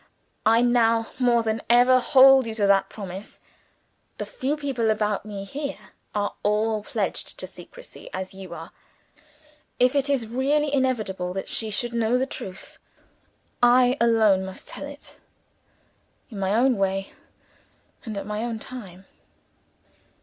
I now, more than ever, hold you to that promise. The few people about me here, are all pledged to secrecy as you are. If it is really inevitable that she should know the truth I alone must tell it; in my own way, and at my own time."